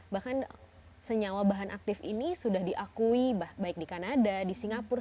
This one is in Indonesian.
bahkan senyawa bahan aktif ini sudah diakui baik di kanada di singapura